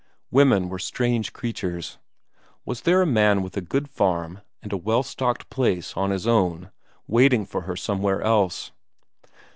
Women were strange creatures! Was there a man with a good farm and a well stocked place of his own waiting for her somewhere else?